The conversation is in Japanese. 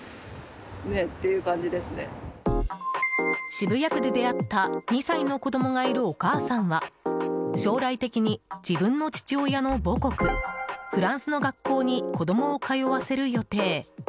渋谷区で出会った２歳の子供がいるお母さんは将来的に、自分の父親の母国フランスの学校に子供を通わせる予定。